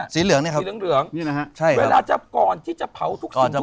เธอดูเอาไว้จดจำเอาไว้นะ